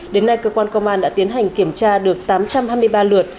đến nay cơ quan công an đã tiến hành kiểm tra được tám trăm hai mươi ba lượt